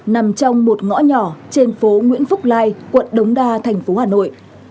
nằm trong một ngõ nhỏ trên phố nguyễn phúc lai quận đống đa thành phố hà nội